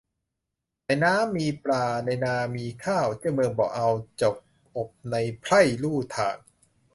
ในน้ำมีปลาในนามีข้าว เจ้าเมืองบ่เอาจกอบในไพร่ลู่ทาง